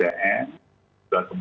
kemudian kemudian kekejatan